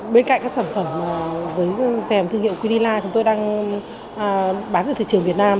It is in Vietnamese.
bên cạnh các sản phẩm với dèm thương hiệu quilila chúng tôi đang bán ở thị trường việt nam